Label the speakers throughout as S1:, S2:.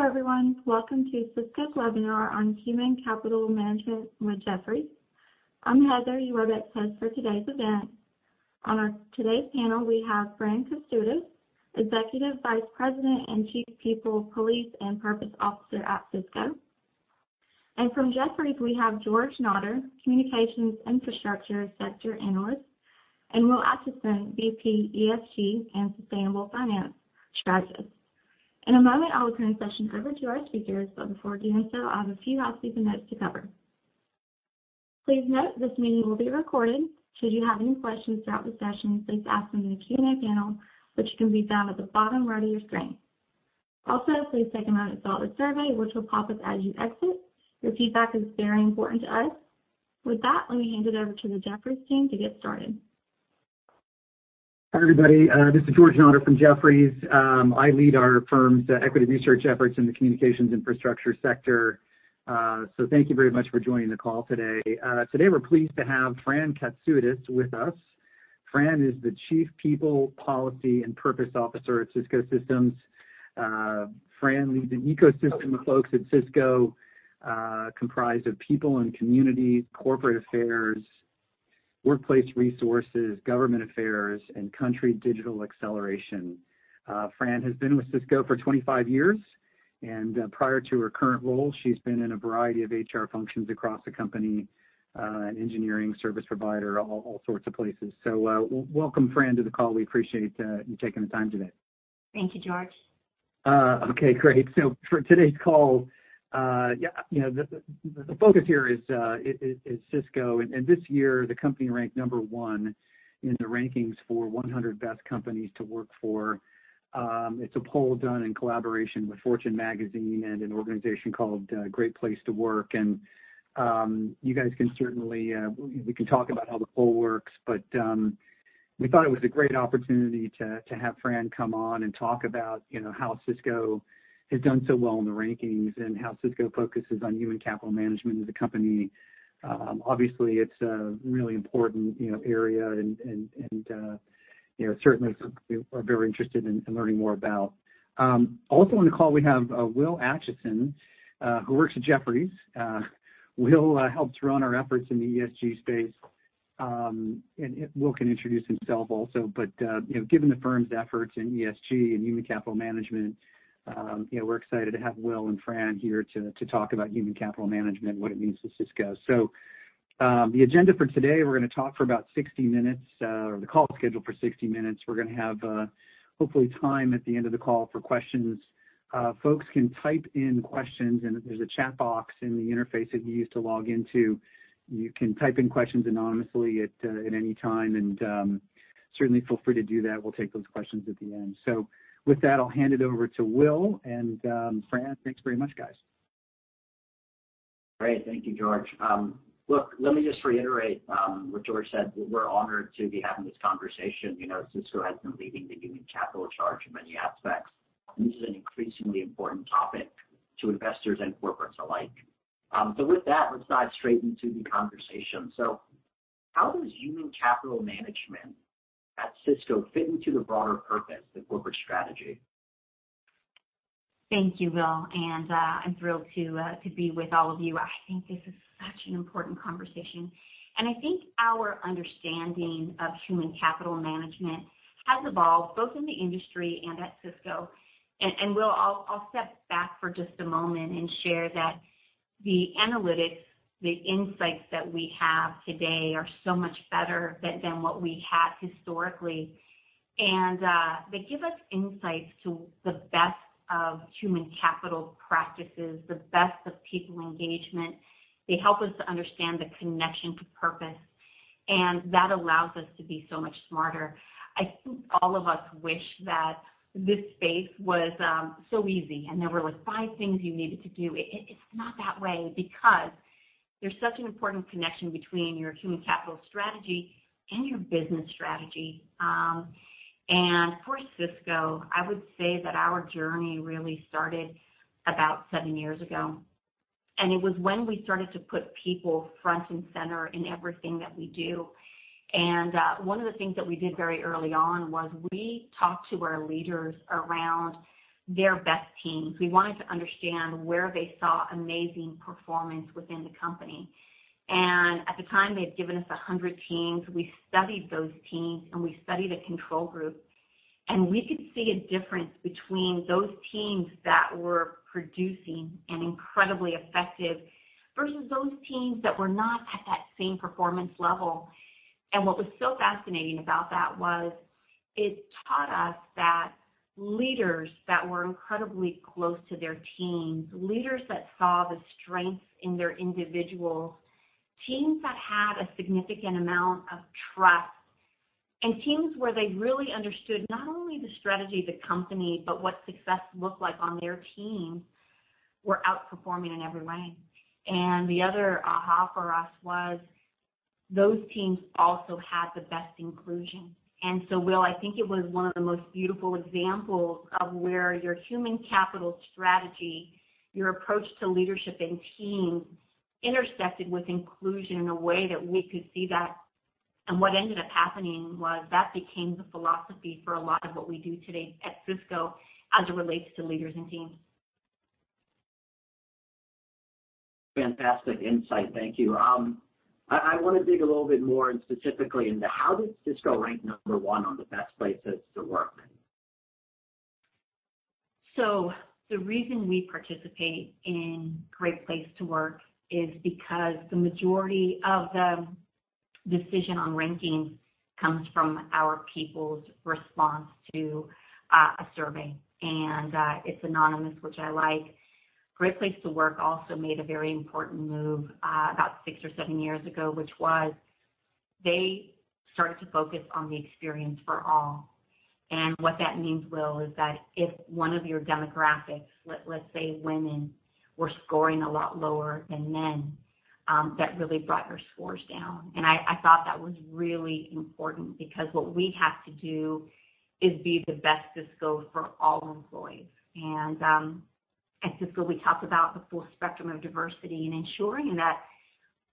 S1: Hello everyone. Welcome to Cisco's webinar on Human Capital Management with Jefferies. I'm Heather, your Webex Host for today's event. On our today's panel we have Francine Katsoudas, Executive Vice President and Chief People, Policy & Purpose Officer at Cisco. From Jefferies, we have George Notter, Communications Infrastructure Sector Analyst and Will Atchison, VP, ESG, and Sustainable Finance Strategies. In a moment, I will turn the session over to our speakers but before doing so, I have a few housekeeping notes to cover. Please note this meeting will be recorded. Should you have any questions throughout the session, please ask them in the Q&A panel, which can be found at the bottom right of your screen. Also, please take a moment to fill out the survey, which will pop up as you exit. Your feedback is very important to us. With that, let me hand it over to the Jefferies team to get started.
S2: Hi everybody. This is George Notter from Jefferies. I lead our firm's equity research efforts in the Communications Infrastructure Sector. Thank you very much for joining the call today. Today we're pleased to have Fran Katsoudas with us. Fran is the Chief People, Policy, and Purpose Officer at Cisco Systems. Fran leads an ecosystem of folks at Cisco, comprised of people and community, corporate affairs, workplace resources, government affairs, and country digital acceleration. Fran has been with Cisco for 25 years and prior to her current role, she's been in a variety of HR functions across the company, engineering, service provider, all sorts of places. Welcome Fran, to the call. We appreciate you taking the time today.
S3: Thank you George.
S2: Okay, great. For today's call, the focus here is Cisco. This year the company ranked no. 1 in the rankings for 100 Best Companies to Work For. It's a poll done in collaboration with Fortune magazine and an organization called Great Place to Work. You guys can certainly, we can talk about how the poll works but we thought it was a great opportunity to have Fran come on and talk about how Cisco has done so well in the rankings and how Cisco focuses on human capital management as a company. Obviously, it's a really important area and certainly we are very interested in learning more about. Also on the call we have Will Atchison, who works at Jefferies. Will helps run our efforts in the ESG space. Will can introduce himself also, given the firm's efforts in ESG and human capital management, we're excited to have Will and Fran here to talk about human capital management and what it means to Cisco. The agenda for today, we're gonna talk for about 60 minutes. The call is scheduled for 60 minutes. We're gonna have hopefully time at the end of the call for questions. Folks can type in questions and there's a chat box in the interface that you used to log into. You can type in questions anonymously at any time and certainly feel free to do that. We'll take those questions at the end. With that, I'll hand it over to Will and Fran, thanks very much guys.
S4: Great. Thank you George. Look, let me just reiterate what George said. We're honored to be having this conversation. Cisco has been leading the human capital charge in many aspects and this is an increasingly important topic to investors and corporates alike. With that, let's dive straight into the conversation. How does human capital management at Cisco fit into the broader purpose, the corporate strategy?
S3: Thank you Will and I'm thrilled to be with all of you. I think this is such an important conversation and I think our understanding of human capital management has evolved both in the industry and at Cisco. Will—I'll step back for just a moment and share that the analytics, the insights that we have today are so much better than what we had historically. They give us insights into the best of human capital practices, the best of people engagement. They help us to understand the connection to purpose and that allows us to be so much smarter. I think all of us wish that this space was so easy and there were like, five things you needed to do. It's not that way because there's such an important connection between your human capital strategy and your business strategy. For Cisco, I would say that our journey really started about seven years ago and it was when we started to put people front and center in everything that we do. One of the things that we did very early on was we talked to our leaders around their best teams. We wanted to understand where they saw amazing performance within the company. At the time, they had given us 100 teams. We studied those teams and we studied a control group and we could see a difference between those teams that were producing and incredibly effective versus those teams that were not at that same performance level. What was so fascinating about that was it taught us that leaders that were incredibly close to their teams, leaders that saw the strengths in their individuals, teams that had a significant amount of trust and teams where they really understood not only the strategy of the company but what success looked like on their team, were outperforming in every way. The other AHA for us was those teams also had the best inclusion. Will, I think it was one of the most beautiful examples of where your human capital strategy, your approach to leadership and team intersected with inclusion in a way that we could see that. What ended up happening was that became the philosophy for a lot of what we do today at Cisco as it relates to leaders and teams.
S4: Fantastic insight, thank you. I wanna dig a little bit more specifically into how does Cisco rank number one on the best places to work?
S3: The reason we participate in Great Place to Work is because the majority of the decision on ranking comes from our people's response to a survey and it's anonymous which I like. Great Place to Work also made a very important move about six or seven years ago, which was they started to focus on the experience for all. What that means, Will is that if one of your demographics, let's say women, were scoring a lot lower than men that really brought your scores down. I thought that was really important because what we have to do is be the best Cisco for all employees. At Cisco, we talk about the full spectrum of diversity and ensuring that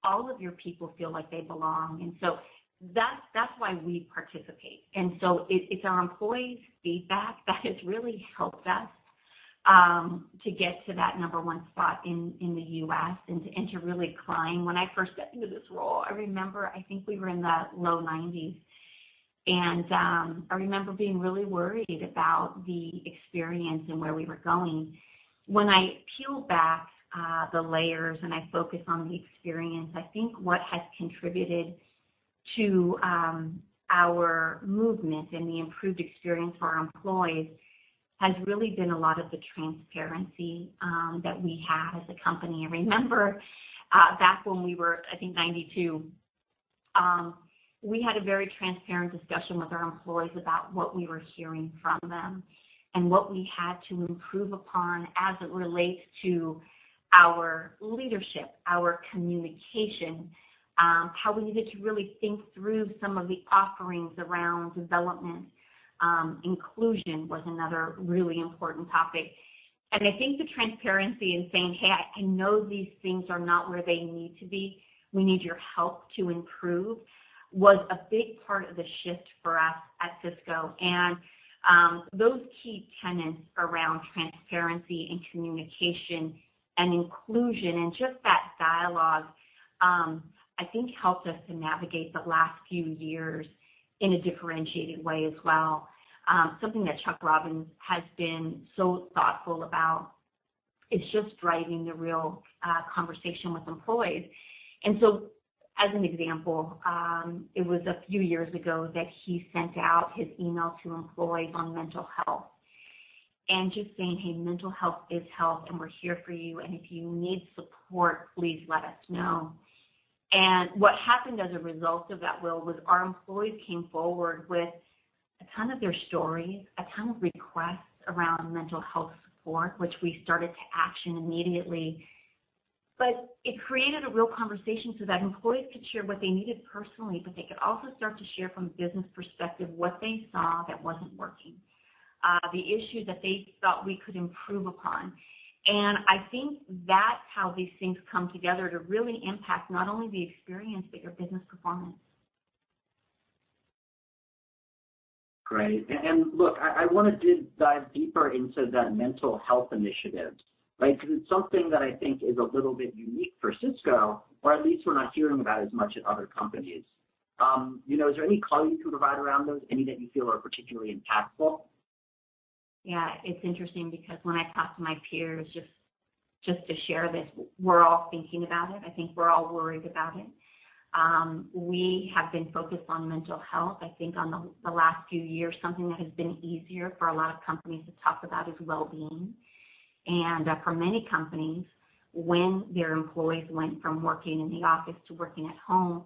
S3: all of your people feel like they belong that's why we participate. It's our employees' feedback that has really helped us to get to that number one spot in the U.S. and to really climb. When I first stepped into this role, I remember I think we were in the low 1990s and I remember being really worried about the experience and where we were going. When I peel back the layers and I focus on the experience, I think what has contributed to our movement and the improved experience for our employees has really been a lot of the transparency that we have as a company. I remember back when we were, I think 1992 we had a very transparent discussion with our employees about what we were hearing from them and what we had to improve upon as it relates to our leadership, our communication, how we needed to really think through some of the offerings around development. Inclusion was another really important topic. I think the transparency in saying, "Hey, I know these things are not where they need to be. We need your help to improve," was a big part of the shift for us at Cisco. Those key tenets around transparency and communication and inclusion and just that dialogue, I think helped us to navigate the last few years in a differentiated way as well. Something that Chuck Robbins has been so thoughtful about is just driving the real conversation with employees. As an example, it was a few years ago that he sent out his email to employees on mental health and just saying, "Hey, mental health is health, and we're here for you, and if you need support, please let us know." What happened as a result of that, Will, was our employees came forward with a ton of their stories, a ton of requests around mental health support which we started to action immediately. It created a real conversation so that employees could share what they needed personally but they could also start to share from a business perspective what they saw that wasn't working, the issues that they thought we could improve upon. I think that's how these things come together to really impact not only the experiencebut your business performance.
S4: Great. Look, I wanna dive deeper into that mental health initiative, right? 'Cause it's something that I think is a little bit unique for Cisco or at least we're not hearing about as much at other companies. Is there any data you can provide around those, any that you feel are particularly impactful?
S3: Yeah. It's interesting because when I talk to my peers just to share this, we're all thinking about it, I think we're all worried about it. We have been focused on mental health, I think on the last few years, something that has been easier for a lot of companies to talk about is well-being. For many companies, when their employees went from working in the office to working at home,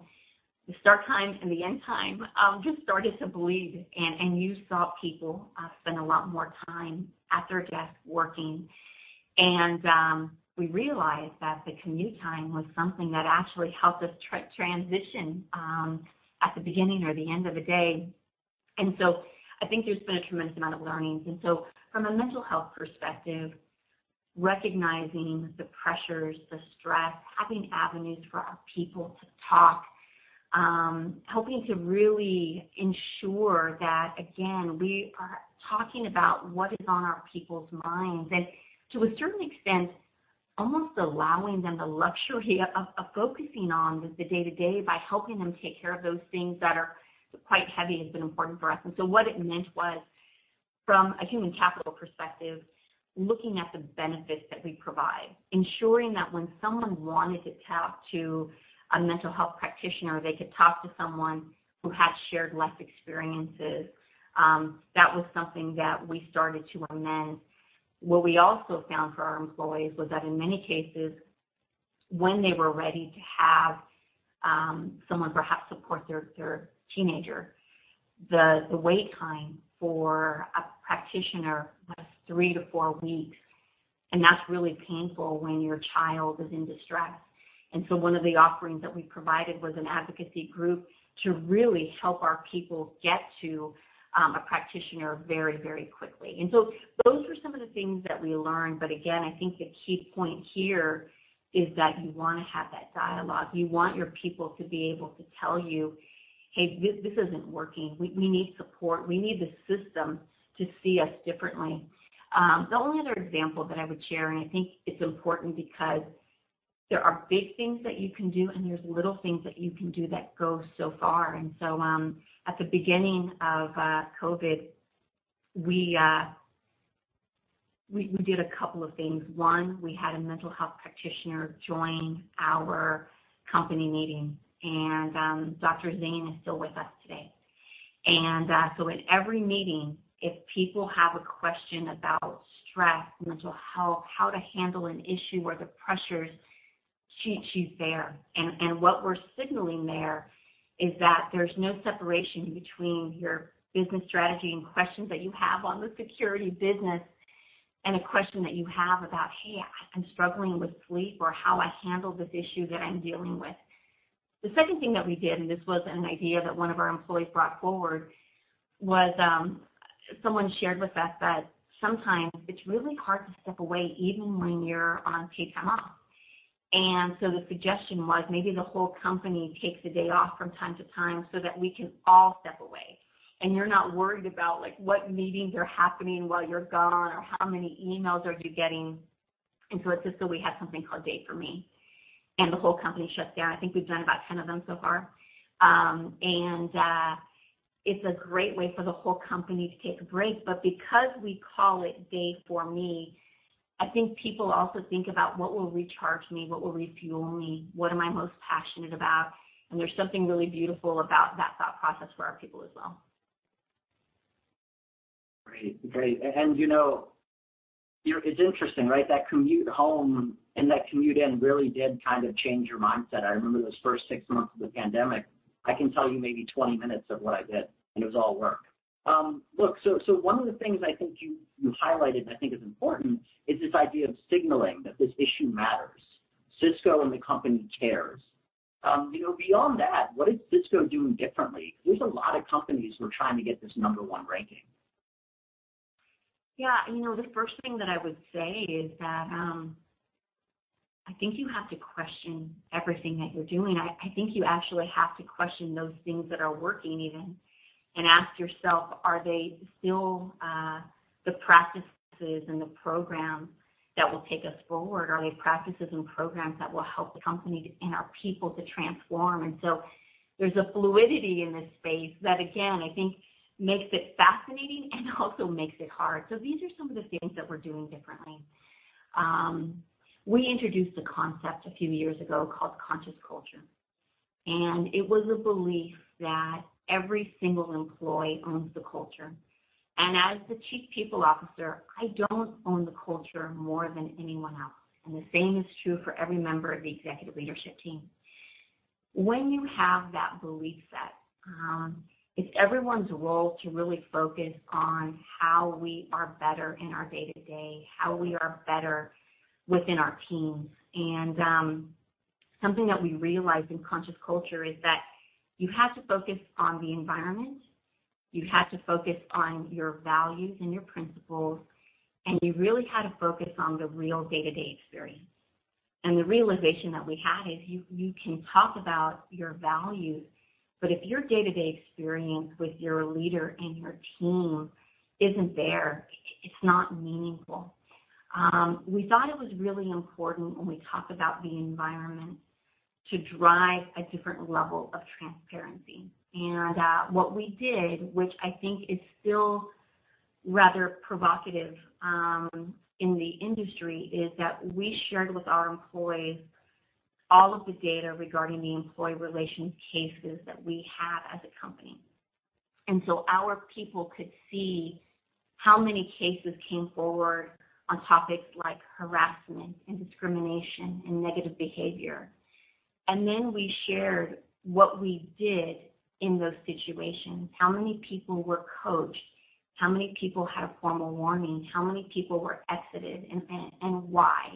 S3: the start time and the end time just started to bleed. You saw people spend a lot more time at their desk working. We realized that the commute time was something that actually helped us transition at the beginning or the end of the day. I think there's been a tremendous amount of learnings. From a mental health perspective, recognizing the pressures, the stress, having avenues for our people to talk, helping to really ensure that again, we are talking about what is on our people's minds and to a certain extent, almost allowing them the luxury of focusing on the day-to-day by helping them take care of those things that are quite heavy has been important for us. What it meant was from a human capital perspective, looking at the benefits that we provide, ensuring that when someone wanted to talk to a mental health practitioner, they could talk to someone who had shared life experiences. That was something that we started to amend. What we also found for our employees was that in many cases when they were ready to have someone perhaps support their teenager, the wait time for a practitioner was three-four weeks and that's really painful when your child is in distress. One of the offerings that we provided was an advocacy group to really help our people get to a practitioner very, very quickly. Those were some of the things that we learned but again, I think the key point here is that you wanna have that dialogue. You want your people to be able to tell you hey, this isn't working. We need support, we need the system to see us differently. The only other example that I would share, and I think it's important because there are big things that you can do and there's little things that you can do that go so far. At the beginning of COVID, we did a couple of things. One, we had a mental health practitioner join our company meeting and Dr. Zane is still with us today. At every meeting, if people have a question about stress, mental health, how to handle an issue or the pressures, she's there. What we're signaling there is that there's no separation between your business strategy and questions that you have on the security business, and a question that you have about, "Hey, I'm struggling with sleep," or how I handle this issue that I'm dealing with. The second thing that we did and this was an idea that one of our employees brought forward was someone shared with us that sometimes it's really hard to step away even when you're on paid time off. The suggestion was maybe the whole company takes a day off from time to time so that we can all step away and you're not worried about like, what meetings are happening while you're gone or how many emails are you getting. At Cisco, we have something called Day for Me, and the whole company shuts down. I think we've done about 10 of them so far. It's a great way for the whole company to take a break because we call it Day for Me, I think people also think about what will recharge me, what will refuel me, what am I most passionate about? There's something really beautiful about that thought process for our people as well.
S4: Great. You're—it's interesting, right? That commute home and that commute in really did kind of change your mindset. I remember those first six months of the pandemic. I can tell you maybe 20 minutes of what I did and it was all work. One of the things I think you highlighted and I think is important is this idea of signaling that this issue matters. Cisco and the company cares. Beyond that what is Cisco doing differently? 'Cause there's a lot of companies who are trying to get this number one ranking.
S3: Yeah. The first thing that I would say is that, I think you have to question everything that you're doing. I think you actually have to question those things that are working even and ask yourself, are they still the practices and the programs that will take us forward? Are they practices and programs that will help the company and our people to transform? There's a fluidity in this space that again, I think makes it fascinating and also makes it hard. So these are some of the things that we're doing differently. We introduced a concept a few years ago called Conscious Culture and it was a belief that every single employee owns the culture. As the chief people officer, I don't own the culture more than anyone else and the same is true for every member of the executive leadership team. When you have that belief set, it's everyone's role to really focus on how we are better in our day-to-day, how we are better within our teams. Something that we realized in Conscious Culture is that you have to focus on the environment, you have to focus on your values and your principles and you really had to focus on the real day-to-day experience. The realization that we had is you can talk about your values but if your day-to-day experience with your leader and your team isn't there, it's not meaningful. We thought it was really important when we talk about the environment to drive a different level of transparency. What we did, which I think is still rather provocative in the industry, is that we shared with our employees all of the data regarding the employee relations cases that we had as a company. Our people could see how many cases came forward on topics like harassment and discrimination and negative behavior. We shared what we did in those situations, how many people were coached, how many people had a formal warning, how many people were exited and why.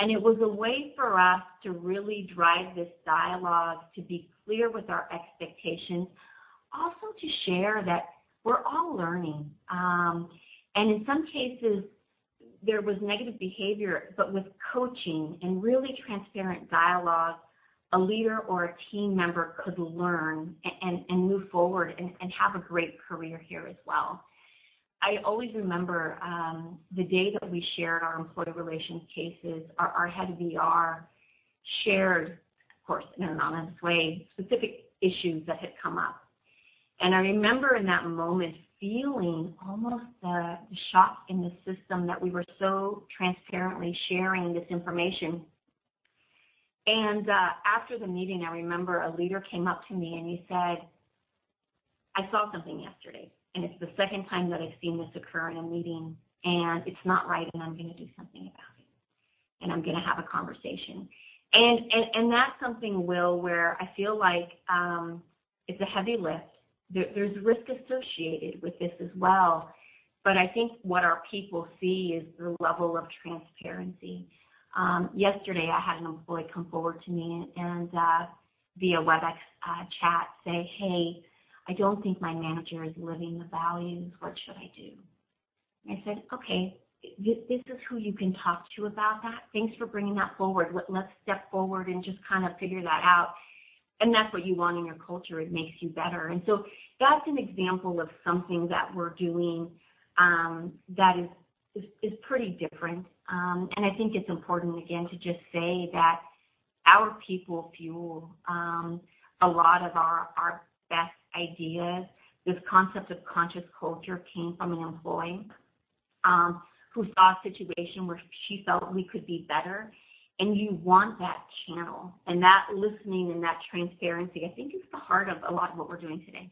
S3: It was a way for us to really drive this dialogue to be clear with our expectations. Also to share that we're all learning. In some cases there was negative behavior but with coaching and really transparent dialogue, a leader or a team member could learn and move forward and have a great career here as well. I always remember the day that we shared our employee relations cases. Our head of ER shared, of course in an anonymous way, specific issues that had come up. I remember in that moment feeling almost the shock in the system that we were so transparently sharing this information. After the meeting, I remember a leader came up to me and he said, "I saw something yesterday and it's the second time that I've seen this occur in a meeting and it's not right and I'm gonna do something about it and I'm gonna have a conversation." That's something, Will where I feel like it's a heavy lift. There's risk associated with this as well, but I think what our people see is the level of transparency. Yesterday I had an employee come forward to me and via Webex chat say, "Hey, I don't think my manager is living the values. What should I do?" I said, "Okay, this is who you can talk to about that. Thanks for bringing that forward. Let's step forward and just kinda figure that out." That's what you want in your culture it makes you better. That's an example of something that we're doing that is pretty different. I think it's important, again to just say that our people fuel a lot of our best ideas. This concept of Conscious Culture came from an employee, who saw a situation where she felt we could be better and you want that channel. That listening and that transparency, I think it's the heart of a lot of what we're doing today.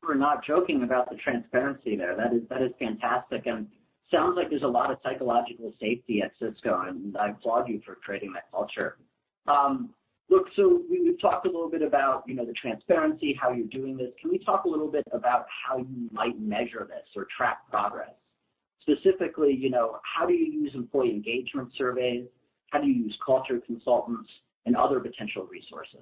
S4: You were not joking about the transparency there. That is fantastic and sounds like there's a lot of psychological safety at Cisco and I applaud you for creating that culture. Look, so we've talked a little bit about the transparency, how you're doing this? Can we talk a little bit about how you might measure this or track progress? Specifically, how do you use employee engagement surveys? How do you use culture consultants and other potential resources?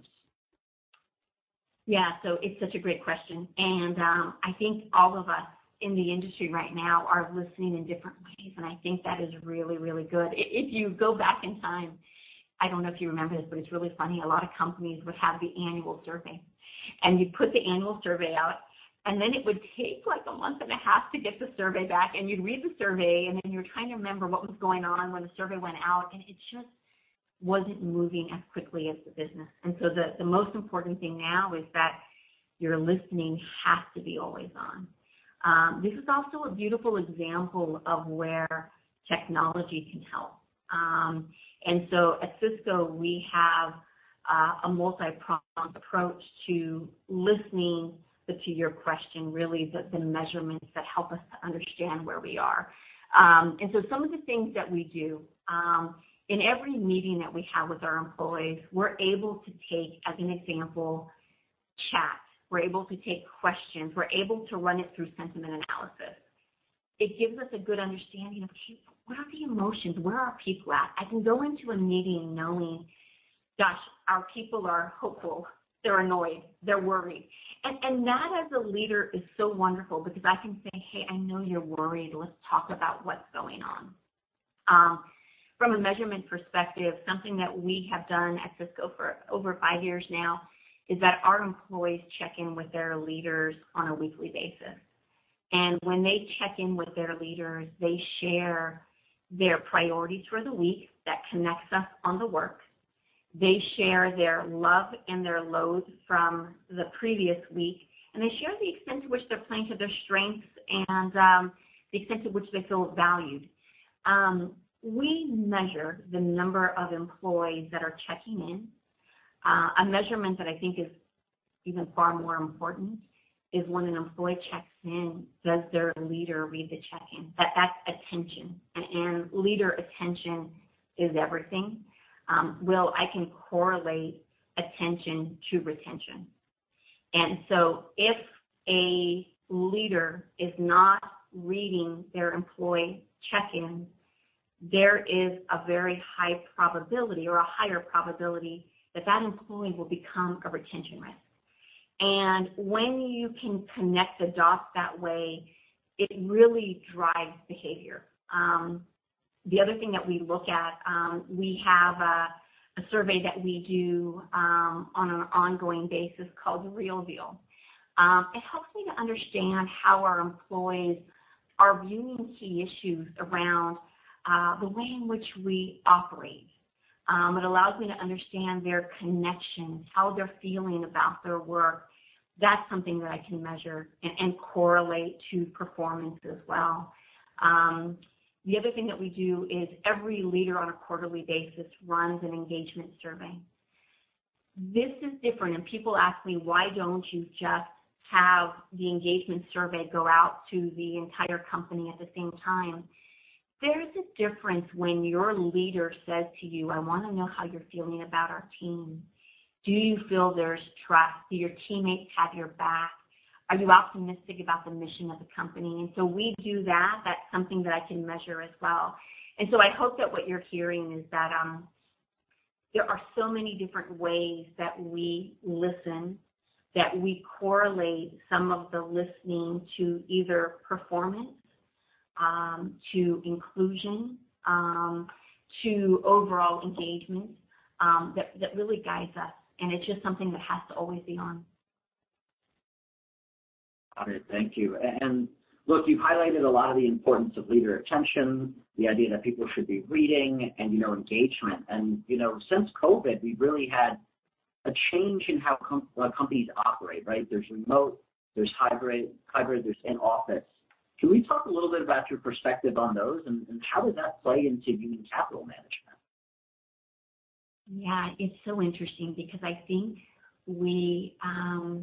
S3: Yeah. It's such a great question, I think all of us in the industry right now are listening in different ways and I think that is really, really good. If you go back in time, I don't know if you remember this but it's really funny. A lot of companies would have the annual survey and you'd put the annual survey out and then it would take like, a month and a half to get the survey back. You'd read the survey and then you're trying to remember what was going on when the survey went out and it just wasn't moving as quickly as the business. The most important thing now is that your listening has to be always on. This is also a beautiful example of where technology can help. At Cisco, we have a multi-pronged approach to listening but to your question, really the measurements that help us to understand where we are. Some of the things that we do, in every meeting that we have with our employees, we're able to take as an example, chat. We're able to take questions, we're able to run it through sentiment analysis. It gives us a good understanding of people. What are the emotions? Where are people at? I can go into a meeting knowing, gosh, our people are hopeful, they're annoyed, they're worried. That as a leader, is so wonderful because I can say, "Hey, I know you're worried. Let's talk about what's goingon." From a measurement perspective, something that we have done at Cisco for over five years now is that our employees check in with their leaders on a weekly basis. When they check in with their leaders, they share their priorities for the week that connects us on the work. They share their love and their loathe from the previous week and they share the extent to which they're playing to their strengths and the extent to which they feel valued. We measure the number of employees that are checking in. A measurement that I think is even far more important is when an employee checks in, does their leader read the check-in? That's attention and leader attention is everything. Will, I can correlate attention to retention. If a leader is not reading their employee check-in, there is a very high probability or a higher probability that that employee will become a retention risk. When you can connect the dots that way, it really drives behavior. The other thing that we look at, we have a survey that we do on an ongoing basis called The Real Deal. It helps me to understand how our employees are viewing key issues around the way in which we operate. It allows me to understand their connection, how they're feeling about their work. That's something that I can measure and correlate to performance as well. The other thing that we do is every leader on a quarterly basis runs an engagement survey. This is different and people ask me, "Why don't you just have the engagement survey go out to the entire company at the same time?" There's a difference when your leader says to you, "I wanna know how you're feeling about our team. Do you feel there's trust? Do your teammates have your back? Are you optimistic about the mission of the company?" We do that. That's something that I can measure as well. I hope that what you're hearing is that, there are so many different ways that we listen, that we correlate some of the listening to either performance, to inclusion, to overall engagement, that really guides us and it's just something that has to always be on.
S4: Got it, thank you. Look, you've highlighted a lot of the importance of leader attention, the idea that people should be leading, and engagement. Since COVID, we've really had a change in how companies operate, right? There's remote, there's hybrid, there's in-office. Can we talk a little bit about your perspective on those and how does that play into human capital management?
S3: Yeah. It's so interesting because I think we—across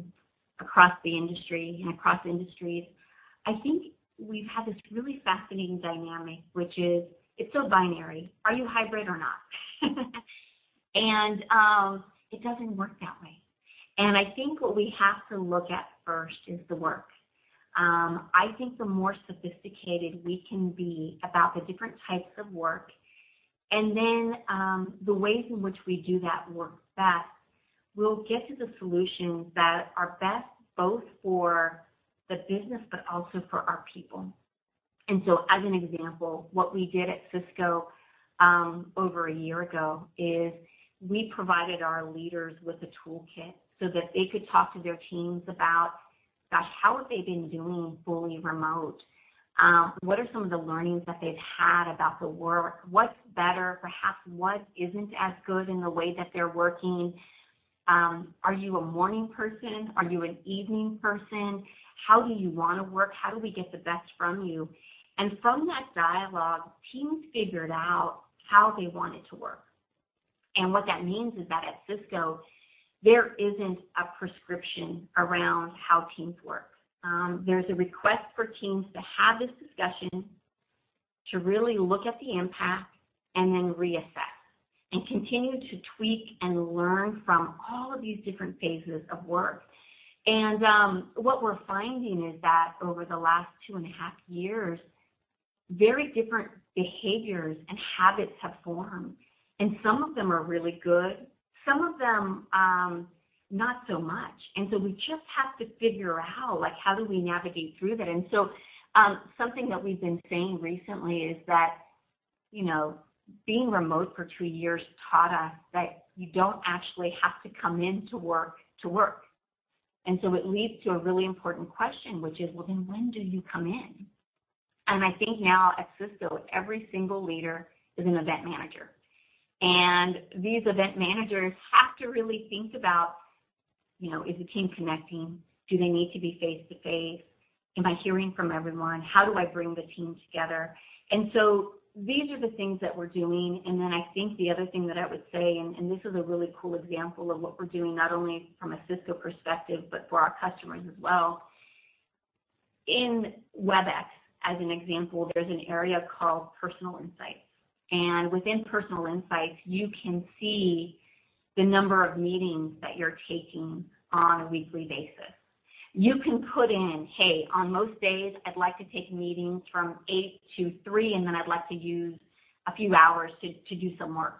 S3: the industry and across industries, I think we've had this really fascinating dynamic, which is it's so binary. Are you hybrid or not? It doesn't work that way. I think what we have to look at first is the work. I think the more sophisticated we can be about the different types of work and then the ways in which we do that work best. We'll get to the solutions that are best both for the business but also for our people. As an example, what we did at Cisco over a year ago is we provided our leaders with a toolkit so that they could talk to their teams about, gosh how have they been doing fully remote? What are some of the learnings that they've had about the work? What's better? Perhaps what isn't as good in the way that they're working? Are you a morning person? Are you an evening person? How do you wanna work? How do we get the best from you? From that dialogue, teams figured out how they wanted to work. What that means is that at Cisco, there isn't a prescription around how teams work. There's a request for teams to have this discussion, to really look at the impact and then reassess, and continue to tweak and learn from all of these different phases of work. What we're finding is that over the last two and a half years, very different behaviors and habits have formed and some of them are really good, some of them, not so much. We just have to figure out like, how do we navigate through that? Something that we've been saying recently is that being remote for two years taught us that you don't actually have to come in to work. It leads to a really important question, which is, "Well, then when do you come in?" I think now at Cisco, every single leader is an event manager. These event managers have to really think about is the team connecting? Do they need to be face-to-face? Am I hearing from everyone? How do I bring the team together? These are the things that we're doing. I think the other thing that I would sa and this is a really cool example of what we're doing, not only from a Cisco perspective but for our customers as well. In Webex, as an example, there's an area called Personal Insights and within Personal Insights you can see the number of meetings that you're taking on a weekly basis. You can put in, "Hey, on most days I'd like to take meetings from 8 to 3, and then I'd like to use a few hours to do some work."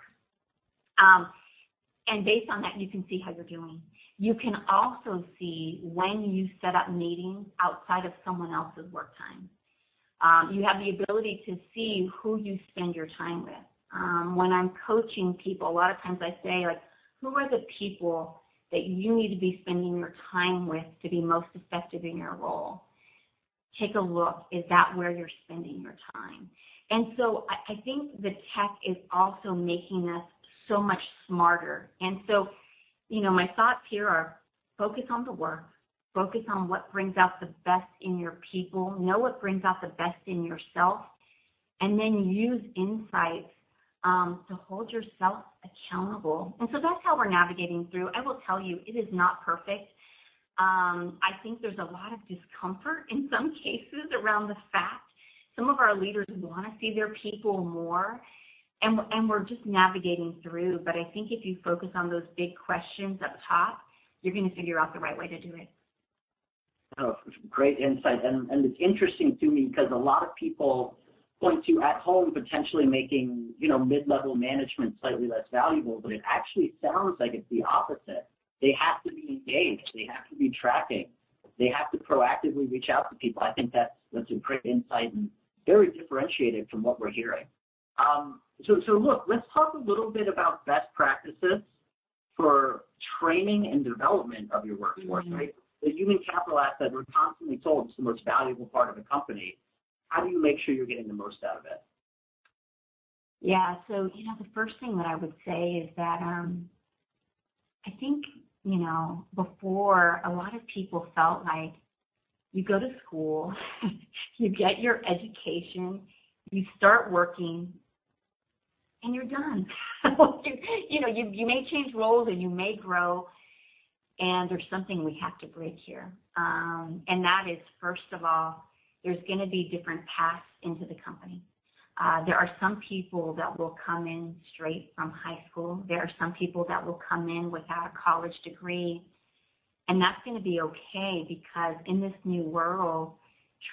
S3: Based on that, you can see how you're doing. You can also see when you set up meetings outside of someone else's work time. You have the ability to see who you spend your time with. When I'm coaching people, a lot of times I say like, "Who are the people that you need to be spending your time with to be most effective in your role? Take a look, is that where you're spending your time?" I think the tech is also making us so much smarter. My thoughts here are focus on the work, focus on what brings out the best in your people, know what brings out the best in yourself and then use insights to hold yourself accountable. That's how we're navigating through I will tell you, it is not perfect. I think there's a lot of discomfort in some cases around the fact some of our leaders wanna see their people more and we're just navigating through. I think if you focus on those big questions up top, you're gonna figure out the right way to do it.
S4: Oh, great insight. It's interesting to me 'cause a lot of people point to at home potentially making—mid-level management slightly less valuable but it actually sounds like it's the opposite. They have to be engaged, they have to be tracking, they have to proactively reach out to people. I think that's a great insight and very differentiated from what we're hearing. Look, let's talk a little bit about best practices for training and development of your workforce, right? The human capital asset, we're constantly told it's the most valuable part of the company. How do you make sure you're getting the most out of it?
S3: Yeah, the first thing that I would say is that, I think before a lot of people felt like you go to school, you get your education, you start working and you're done. You may change roles or you may grow and there's something we have to break here. That is, first of all, there's gonna be different paths into the company. There are some people that will come in straight from high school. There are some people that will come in without a college degree and that's gonna be okay because in this new world,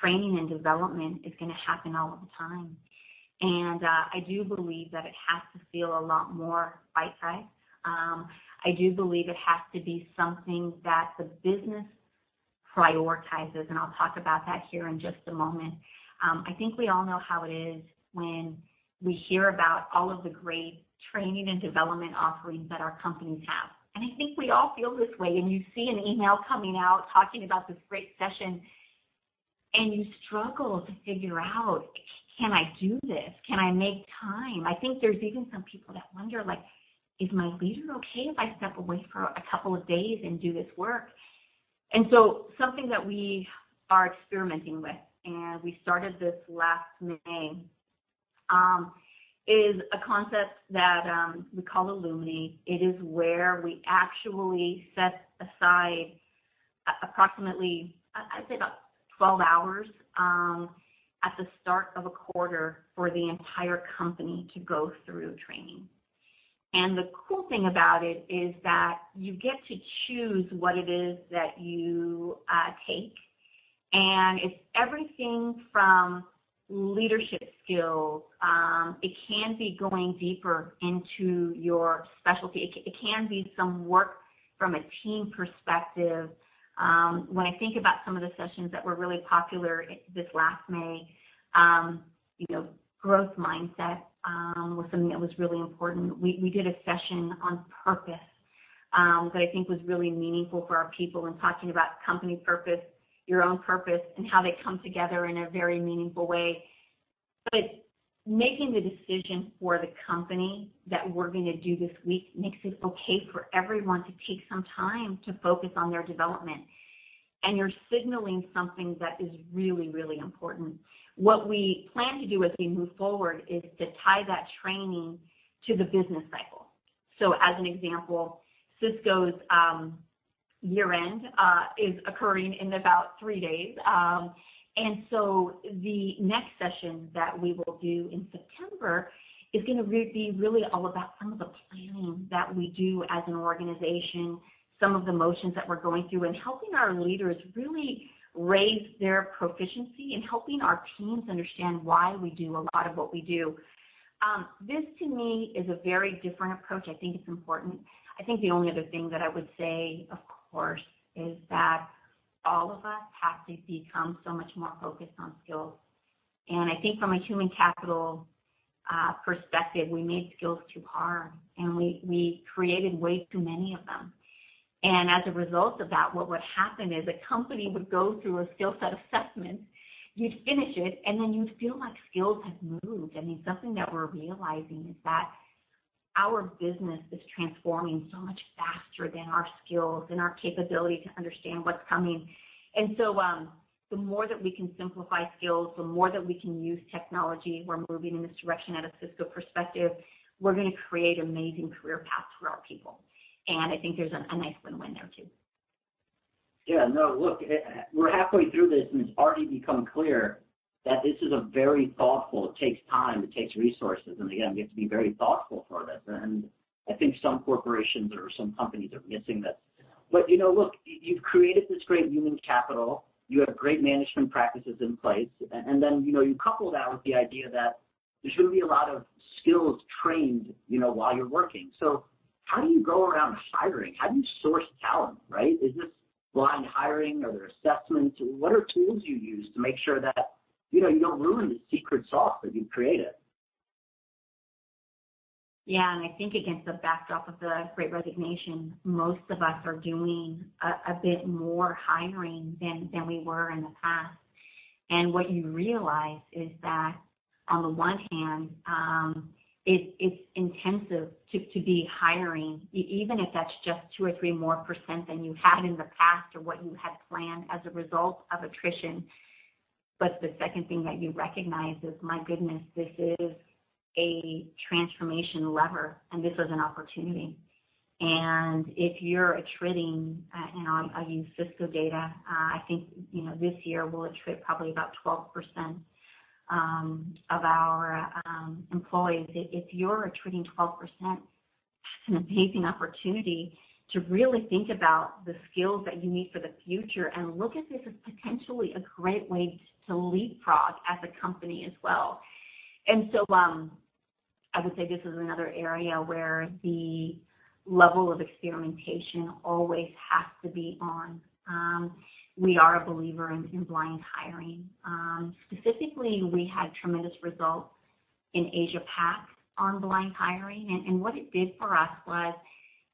S3: training and development is gonna happen all the time. I do believe that it has to feel a lot more bite-size. I do believe it has to be something that the business prioritizes and I'll talk about that here in just a moment. I think we all know how it is when we hear about all of the great training and development offerings that our companies have and I think we all feel this way. When you see an email coming out talking about this great session and you struggle to figure out, can I do this? Can I make time? I think there's even some people that wonder like, is my leader okay if I step away for a couple of days and do this work? Something that we are experimenting with and we started this last May, is a concept that we call Illumi. It is where we actually set aside approximately, I'd say about 12 hours at the start of a quarter for the entire company to go through training. The cool thing about it is that you get to choose what it is that you take. It's everything from leadership skills, it can be going deeper into your specialty. It can be some work from a team perspective. When I think about some of the sessions that were really popular this last May, growth mindset was something that was really important. We did a session on purpose that I think was really meaningful for our people in talking about company purpose, your own purpose and how they come together in a very meaningful way. Making the decision for the company that we're going to do this week makes it okay for everyone to take some time to focus on their development and you're signaling something that is really, really important. What we plan to do as we move forward is to tie that training to the business cycle. As an example, Cisco's year-end is occurring in about three days. The next session that we will do in September is going to be really all about some of the planning that we do as an organization, some of the motions that we're going through and helping our leaders really raise their proficiency in helping our teams understand why we do a lot of what we do. This to me is a very different approach, I think it's important. I think the only other thing that I would say, of course is that all of us have to become so much more focused on skills. I think from a human capital perspective, we made skills too hard and we created way too many of them. As a result of that, what would happen is a company would go through a skill set assessment, you'd finish it and then you'd feel like skills have moved. I mean, something that we're realizing is that our business is transforming so much faster than our skills and our capability to understand what's coming. The more that we can simplify skills, the more that we can use technology. We're moving in this direction from a Cisco perspective. We're going to create amazing career paths for our people. I think there's a nice win-win there too.
S4: Yeah, no, look, we're halfway through this and it's already become clear that this is a very thoughtful, it takes time, it takes resources, and again, we have to be very thoughtful for this. I think some corporations or some companies are missing this. Look, you've created this great human capital, you have great management practices in place, and then you couple that with the idea that there should be a lot of skills trained while you're working. How do you go around hiring? How do you source talent, right? Is this blind hiring? Are there assessments? What are tools you use to make sure that you don't ruin the secret sauce that you've created?
S3: Yeah. I think against the backdrop of the Great Resignation, most of us are doing a bit more hiring than we were in the past. What you realize is that on the one hand, it's intensive to be hiring even if that's just 2% or 3% more than you had in the past or what you had planned as a result of attrition. But the second thing that you recognize is, my goodness this is a transformation lever, and this is an opportunity. If you're attriting and I'll use Cisco data, I think this year we'll attrit probably about 12% of our employees. If you're attriting 12%, it's an amazing opportunity to really think about the skills that you need for the future and look at this as potentially a great way to leapfrog as a company as well. I would say this is another area where the level of experimentation always has to be on, we are a believer in blind hiring. Specifically, we had tremendous results in Asia Pac on blind hiring. What it did for us was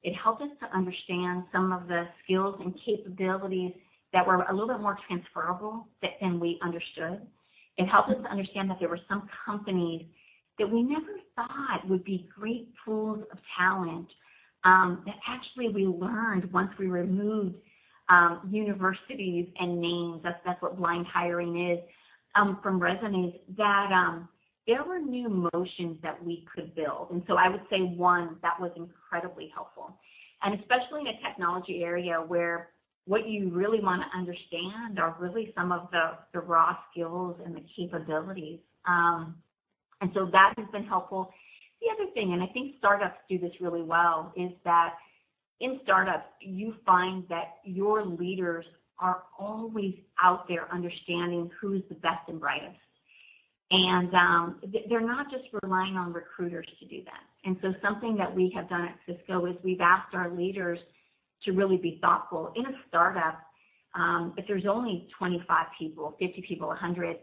S3: it helped us to understand some of the skills and capabilities that were a little bit more transferable than we understood. It helped us to understand that there were some companies that we never thought would be great pools of talent, that actually we learned once we removed universities and names. That's what blind hiring is from resumes that there were new motions that we could build. I would say one, that was incredibly helpful and especially in a technology area where what you really want to understand are really some of the raw skills and the capabilities that has been helpful. The other thing, and I think startups do this really well, is that in startups, you find that your leaders are always out there understanding who's the best and brightest. They're not just relying on recruiters to do that. Something that we have done at Cisco is we've asked our leaders to really be thoughtful. In a startup, if there's only 25 people, 50 people, 100,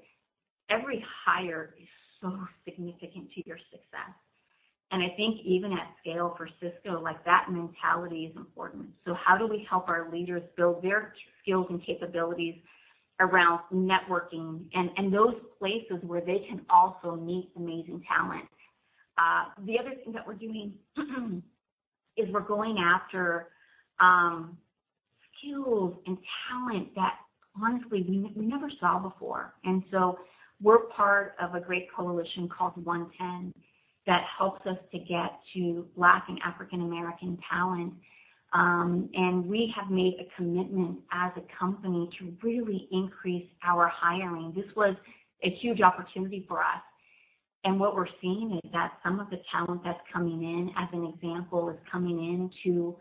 S3: every hire is so significant to your success. I think even at scale for Cisco, like that mentality is important. How do we help our leaders build their skills and capabilities around networking and those places where they can also meet amazing talent? The other thing that we're doing is we're going after skills and talent that honestly we never saw before. We're part of a great coalition called OneTen that helps us to get to Black and African American talent. We have made a commitment as a company to really increase our hiring. This was a huge opportunity for us. What we're seeing is that some of the talent that's coming in, as an example, is coming into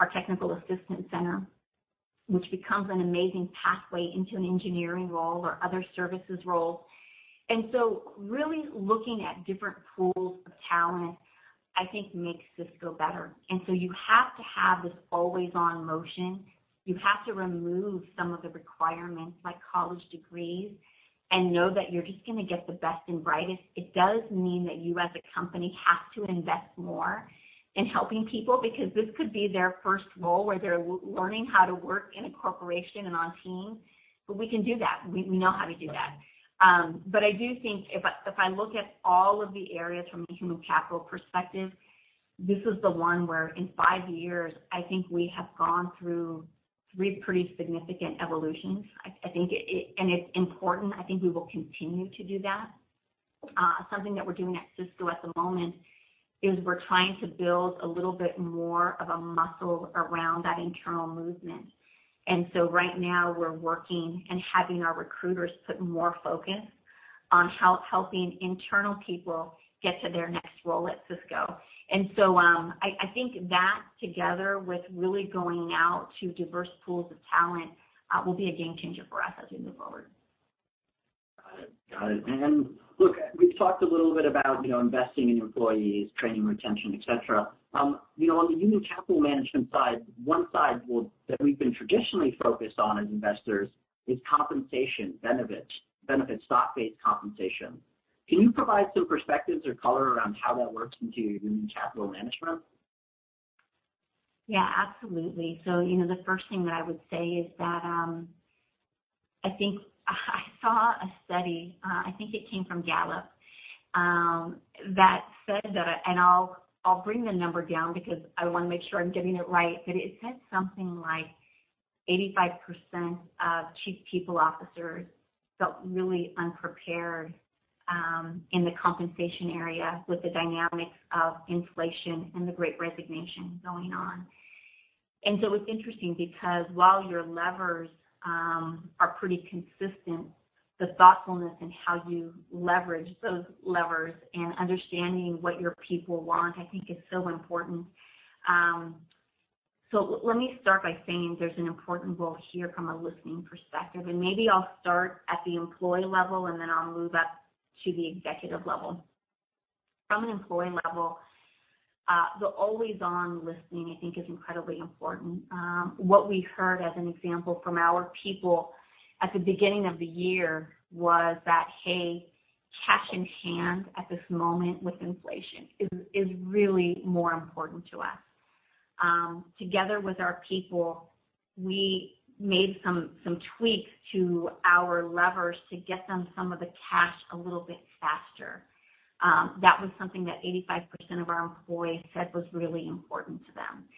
S3: our technical assistance center, which becomes an amazing pathway into an engineering role or other services roles. Really looking at different pools of talent, I think, makes Cisco better. You have to have this always-on motion. You have to remove some of the requirements, like college degrees and know that you're just gonna get the best and brightest. It does mean that you, as a company, have to invest more in helping people because this could be their first role where they're learning how to work in a corporation and on teams. We can do that, we know how to do that. I do think if I look at all of the areas from a human capital perspective, this is the one where in five years, I think we have gone through three pretty significant evolutions. I think it and it's important, I think we will continue to do that. Something that we're doing at Cisco at the moment is we're trying to build a little bit more of a muscle around that internal movement. Right now we're working and having our recruiters put more focus on helping internal people get to their next role at Cisco. I think that together with really going out to diverse pools of talent will be a game changer for us as we move forward.
S4: Got it. Look, we've talked a little bit about investing in employees, training, retention, etc.. On the human capital management side that we've been traditionally focused on as investors is compensation, benefits, stock-based compensation. Can you provide some perspectives or color around how that works into your human capital management?
S3: Yeah, absolutely. You know, the first thing that I would say is that I think I saw a study, I think it came from Gallup, that said that. I'll bring the number down because I wanna make sure I'm getting it right. It said something like 85% of Chief People Officers felt really unprepared, in the compensation area with the dynamics of inflation and the Great Resignation going on. It's interesting because while your levers are pretty consistent, the thoughtfulness in how you leverage those levers and understanding what your people want, I think is so important. Let me start by saying there's an important role here from a listening perspective and maybe I'll start at the employee level, and then I'll move up to the executive level. From an employee level, the always-on listening, I think is incredibly important. What we heard as an example from our people at the beginning of the year was that, "Hey, cash in hand at this moment with inflation is really more important to us." Together with our people, we made some tweaks to our levers to get them some of the cash a little bit faster. That was something that 85% of our employees said was really important to them.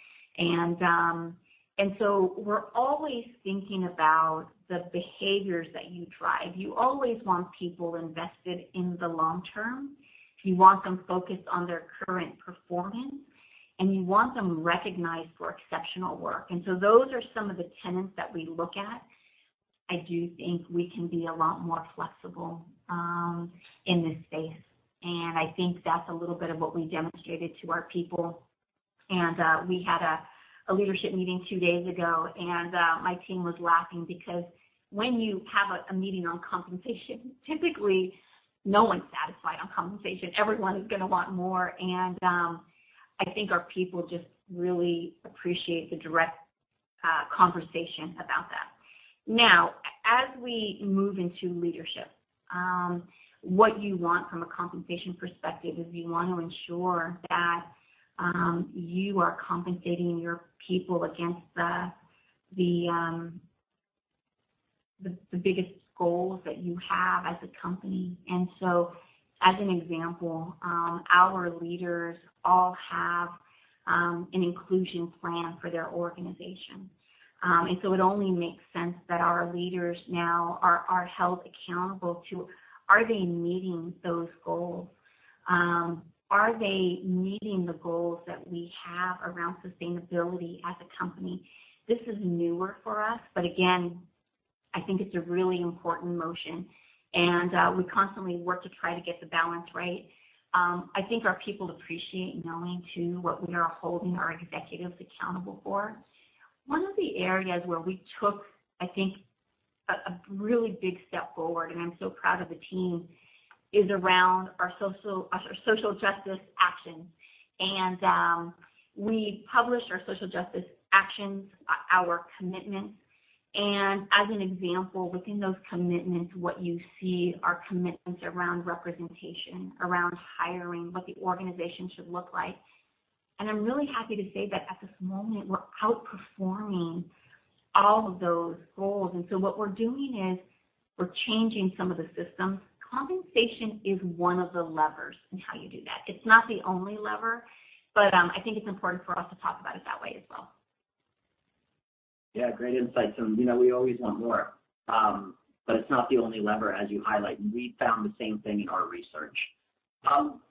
S3: We're always thinking about the behaviors that you drive. You always want people invested in the long term. You want them focused on their current performance and you want them recognized for exceptional work. Those are some of the tenets that we look at. I do think we can be a lot more flexible in this space and I think that's a little bit of what we demonstrated to our people. We had a leadership meeting two days ago, and my team was laughing because when you have a meeting on compensation, typically no one's satisfied on compensation. Everyone is gonna want more, I think our people just really appreciate the direct conversation about that. Now, as we move into leadership, what you want from a compensation perspective is you want to ensure that you are compensating your people against the biggest goals that you have as a company. As an example, our leaders all have an inclusion plan for their organization. It only makes sense that our leaders now are held accountable too. Are they meeting those goals? Are they meeting the goals that we have around sustainability as a company? This is newer for us but again, I think it's a really important motion. We constantly work to try to get the balance right. I think our people appreciate knowing too, what we are holding our executives accountable for. One of the areas where we took, I think a really big step forward and I'm so proud of the team, is around our social justice actions. We published our social justice actions, our commitments. As an example, within those commitments, what you see are commitments around representation, around hiring, what the organization should look like. I'm really happy to say that at this moment, we're outperforming all of those goals. What we're doing is we're changing some of the systems. Compensation is one of the levers in how you do that. It's not the only lever but I think it's important for us to talk about it that way as well.
S4: Yeah, great insights. We always want more but it's not the only lever as you highlight. We found the same thing in our research.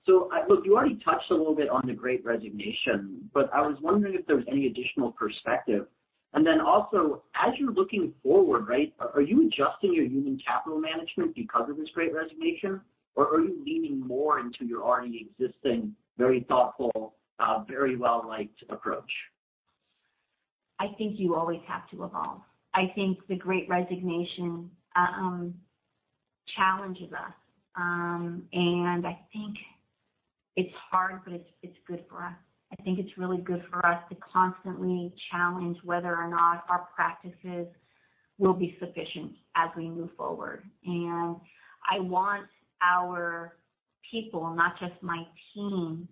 S4: Look, you already touched a little bit on the Great Resignation but I was wondering if there was any additional perspective. Then also as you're looking forward, right, are you adjusting your human capital management because of this Great Resignation? Or are you leaning more into your already existing, very thoughtful, very well-liked approach?
S3: I think you always have to evolve. I think the Great Resignation challenges us. I think it's hard, but it's good for us. I think it's really good for us to constantly challenge whether or not our practices will be sufficient as we move forward. I want our people, not just my team,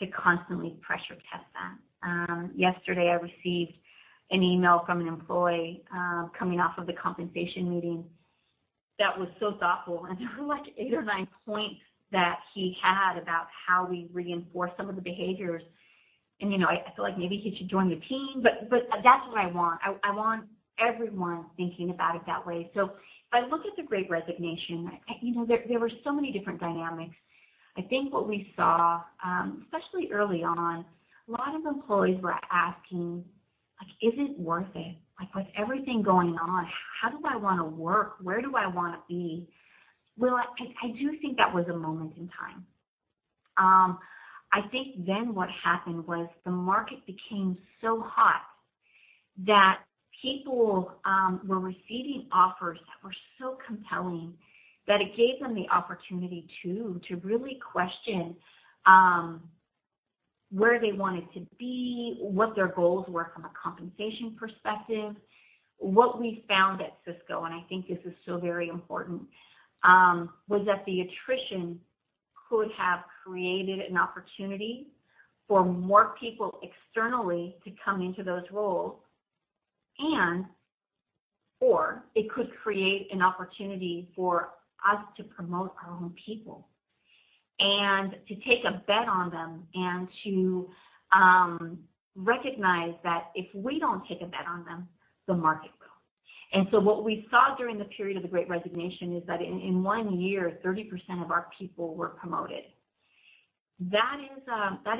S3: to constantly pressure test that. Yesterday, I received an email from an employee coming off of the compensation meeting that was so thoughtful and there were like eight or nine points that he had about how we reinforce some of the behaviors. You know, I feel like maybe he should join the team but that's what I want. I want everyone thinking about it that way. If I look at the Great Resignation there were so many different dynamics. I think what we saw, especially early on, a lot of employees were asking like, "Is it worth it? Like, with everything going on, how do I wanna work? Where do I wanna be?" Will, I do think that was a moment in time. I think then what happened was the market became so hot that people were receiving offers that were so compelling that it gave them the opportunity to really question where they wanted to be, what their goals were from a compensation perspective. What we found at Cisco and I think this is so very important was that the attrition could have created an opportunity for more people externally to come into those roles or it could create an opportunity for us to promote our own people and to take a bet on them and to recognize that if we don't take a bet on them, the market will. What we saw during the period of the Great Resignation is that in one year, 30% of our people were promoted that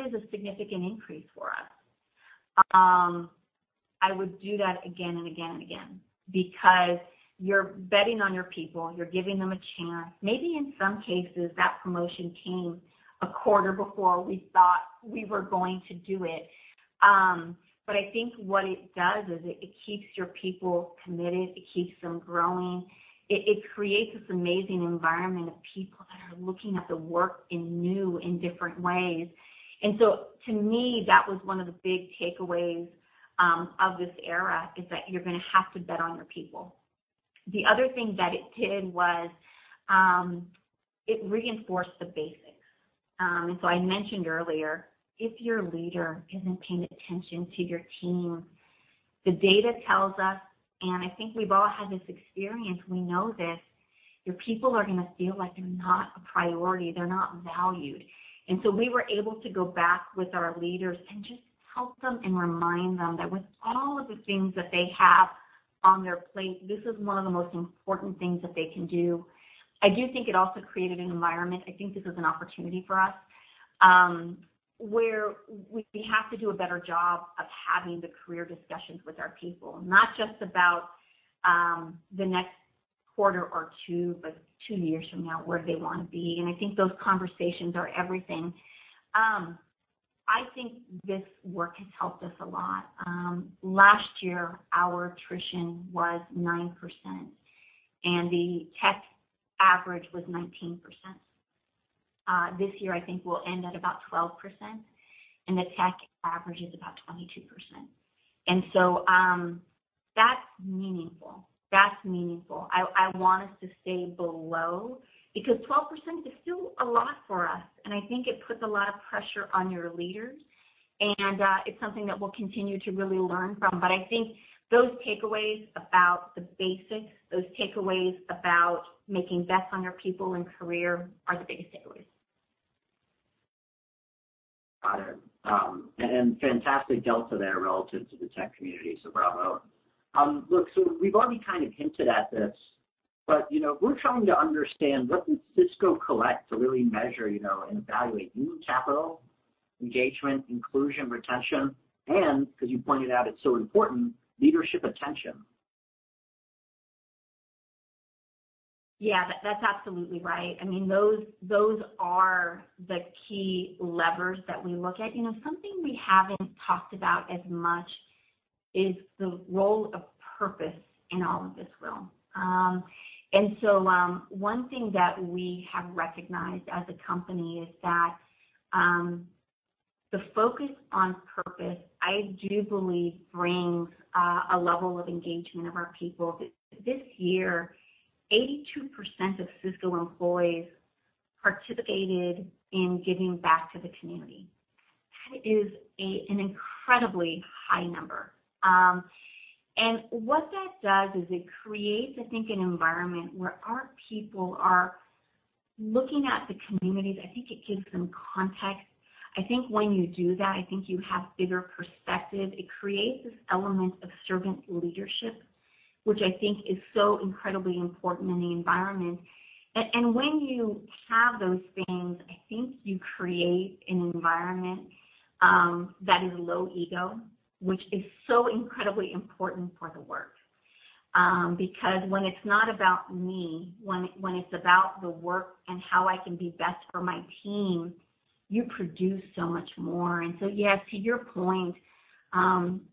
S3: is a significant increase for us. I would do that again and again and again because you're betting on your people, you're giving them a chance. Maybe in some cases that promotion came a quarter before we thought we were going to do it. I think what it does is it keeps your people committed, it keeps them growing. It creates this amazing environment of people that are looking at the work in new and different ways. To me, that was one of the big takeaways of this era, is that you're gonna have to bet on your people. The other thing that it did was it reinforced the basics. I mentioned earlier, if your leader isn't paying attention to your team, the data tells us and I think we've all had this experience, we know this, your people are gonna feel like they're not a priority, they're not valued. We were able to go back with our leaders and just help them and remind them that with all of the things that they have on their plate, this is one of the most important things that they can do. I do think it also created an environment, I think this is an opportunity for us, where we have to do a better job of having the career discussions with our people. Not just about the next quarter or two, but two years from now, where do they wanna be? I think those conversations are everything. I think this work has helped us a lot. Last year our attrition was 9% and the tech average was 19%. This year I think we'll end at about 12% and the tech average is about 22%. That's meaningful. I want us to stay below because 12% is still a lot for us and I think it puts a lot of pressure on your leaders and it's something that we'll continue to really learn from. I think those takeaways about the basics, those takeaways about making bets on your people and career are the biggest takeaways.
S4: Got it. Fantastic delta there relative to the tech community, so bravo. Look, we've already kind of hinted at this, but we're trying to understand what does Cisco collect to really measure and evaluate human capital, engagement, inclusion, retention, and 'cause you pointed out it's so important, leadership attention.
S3: Yeah, that's absolutely right. I mean, those are the key levers that we look at. Something we haven't talked about as much is the role of purpose in all of this, Will. One thing that we have recognized as a company is that the focus on purpose, I do believe brings a level of engagement of our people. This year, 82% of Cisco employees participated in giving back to the community. That is an incredibly high number. What that does is it creates, I think an environment where our people are looking at the communities. I think it gives them context, I think when you do that, I think you have bigger perspective. It creates this element of servant leadership which I think is so incredibly important in the environment. When you have those things, I think you create an environment that is low ego, which is so incredibly important for the work. Because when it's not about me, when it's about the work and how I can be best for my team, you produce so much more. Yes, to your point,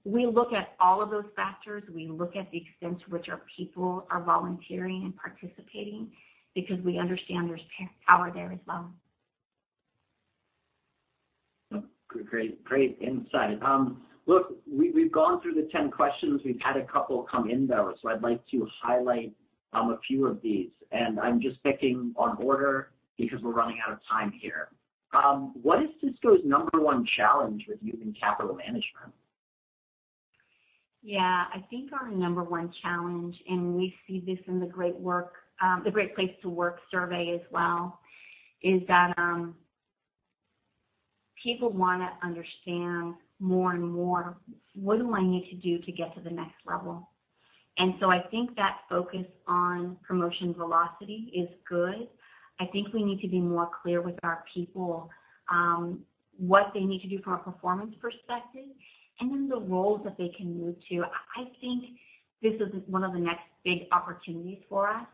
S3: we look at all of those factors. We look at the extent to which our people are volunteering and participating because we understand there's power there as well.
S4: Great insight. Look, we've gone through the 10 questions. We've had a couple come in, though so I'd like to highlight a few of these. I'm just picking on order because we're running out of time here. What is Cisco's number one challenge with human capital management?
S3: Yeah. I think our number one challenge and we see this in the Great Place to Work survey as well, is that people wanna understand more and more, what do I need to do to get to the next level? I think that focus on promotion velocity is good. I think we need to be more clear with our people, what they need to do from a performance perspective and then the roles that they can move to. I think this is one of the next big opportunities for us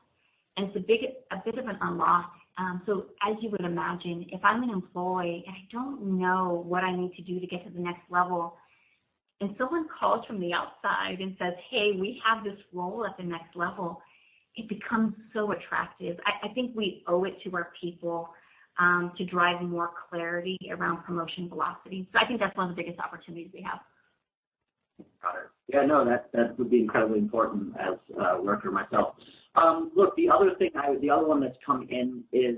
S3: and it's a bit of an unlock. As you would imagine, if I'm an employee and I don't know what I need to do to get to the next level and someone calls from the outside and says, "Hey, we have this role at the next level," it becomes so attractive. I think we owe it to our people to drive more clarity around promotion velocity. I think that's one of the biggest opportunities we have.
S4: Got it. Yeah, no, that would be incredibly important as a worker myself. Look, the other one that's come in is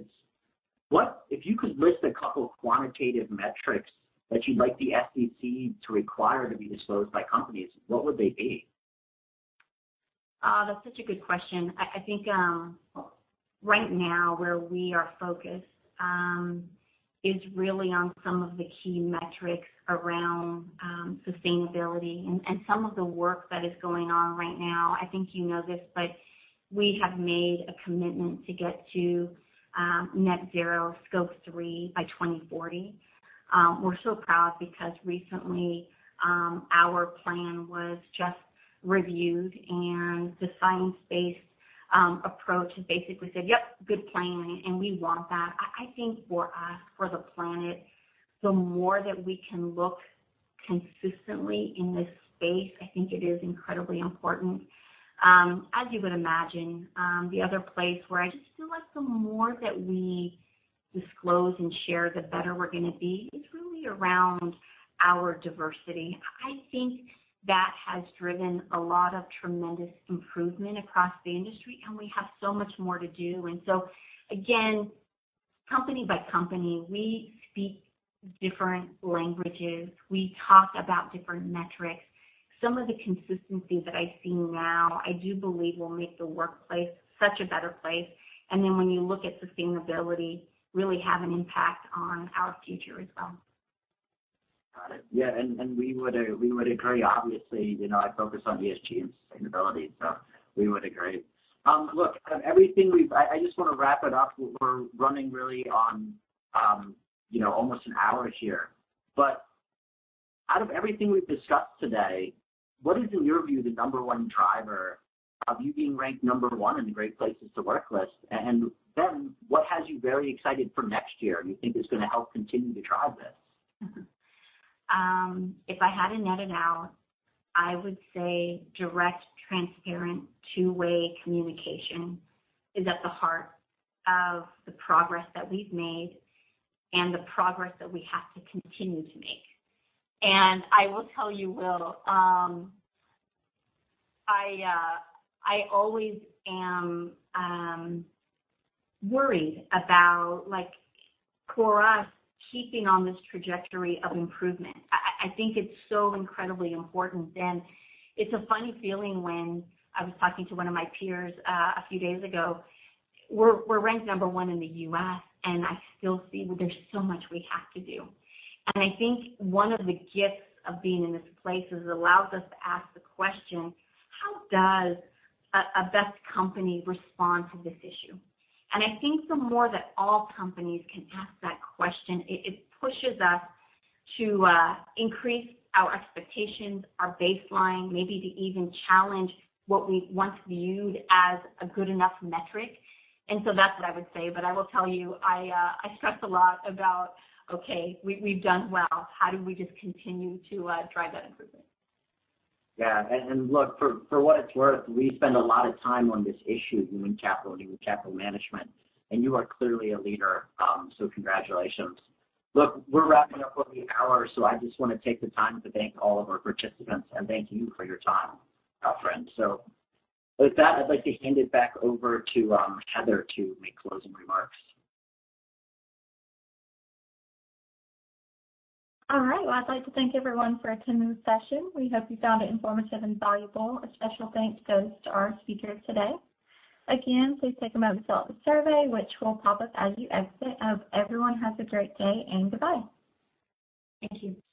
S4: what. If you could list a couple of quantitative metrics that you'd like the SEC to require to be disclosed by companies, what would they be?
S3: That's such a good question. I think right now where we are focused is really on some of the key metrics around sustainability and some of the work that is going on right now. I think you know this but we have made a commitment to get to net zero Scope 3 by 2040. We're so proud because recently our plan was just reviewed, and the science-based approach has basically said, "Yep, good planning," and we want that. I think for us, for the planet, the more that we can look consistently in this space, I think it is incredibly important. As you would imagine, the other place where I just feel like the more that we disclose and share the better we're gonna be is really around our diversity. I think that has driven a lot of tremendous improvement across the industry, and we have so much more to do. Again, company by company, we speak different languages, we talk about different metrics. Some of the consistency that I see now I do believe will make the workplace such a better place and then when you look at sustainability, really have an impact on our future as well.
S4: Got it. Yeah, we would agree, obviously. You know, I focus on ESG and sustainability, so we would agree. Look, out of everything we've discussed today, I just wanna wrap it up. We're running really long on almost an hour here. Out of everything we've discussed today, what is in your view the number one driver of you being ranked number one in the Great Place to Work list? And then what has you very excited for next year you think is gonna help continue to drive this?
S3: If I had to net it out, I would say direct, transparent, two-way communication is at the heart of the progress that we've made and the progress that we have to continue to make. I will tell you Will, I always am worried about like, for us keeping on this trajectory of improvement. I think it's so incredibly important and it's a funny feeling when I was talking to one of my peers a few days ago. We're ranked number one in the U.S., and I still see there's so much we have to do. I think one of the gifts of being in this place is it allows us to ask the question, how does a best company respond to this issue? I think the more that all companies can ask that question, it pushes us to increase our expectations, our baseline, maybe to even challenge what we once viewed as a good enough metric that's what I would say. I will tell you, I stress a lot about okay, we've done well. How do we just continue to drive that improvement?
S4: Yeah. Look, for what it's worth, we spend a lot of time on this issue of human capital and human capital management, and you are clearly a leader, congratulations. Look, we're wrapping up on the hour, so I just wanna take the time to thank all of our participants and thank you for your time, Fran. With that, I'd like to hand it back over to Heather to make closing remarks.
S1: All right. Well, I'd like to thank everyone for attending the session. We hope you found it informative and valuable. A special thanks goes to our speakers today. Again, please take a moment to fill out the survey, which will pop up as you exit. I hope everyone has a great day and goodbye. Thank you.